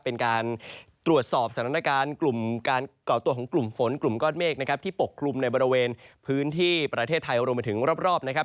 เป็นการตรวจสอบสถานการณ์กลุ่มการก่อตัวของกลุ่มฝนกลุ่มก้อนเมฆนะครับที่ปกคลุมในบริเวณพื้นที่ประเทศไทยรวมไปถึงรอบนะครับ